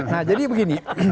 nah jadi begini